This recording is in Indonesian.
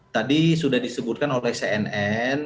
tadi sudah disebutkan oleh cnn